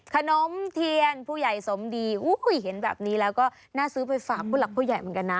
ขนมเทียนผู้ใหญ่สมดีเห็นแบบนี้แล้วก็น่าซื้อไปฝากผู้หลักผู้ใหญ่เหมือนกันนะ